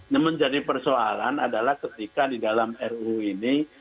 namun jadi persoalan adalah ketika di dalam ruh ini